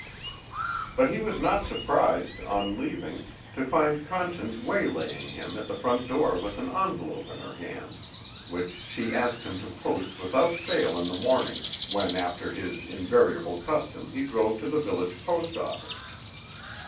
But he was not surprised, on leaving, to find Conscience waylaying him at the front door with an envelope in her hand, which she asked him to post without fail in the morning when after his invariable custom he drove to the village post office.